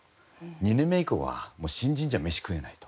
２年目以降はもう新人じゃ飯食えないと。